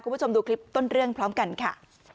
คุณผู้ชมดูคลิปต้นเรื่องพร้อมกันค่ะ